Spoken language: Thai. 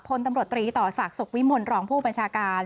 พลตำรวจตรีต่อศักดิ์สุขวิมลรองผู้บัญชาการ